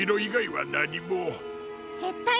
ぜったい